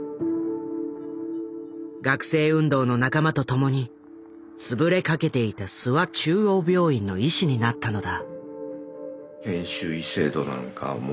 学生運動の仲間とともに潰れかけていた諏訪中央病院の医師になったのだ。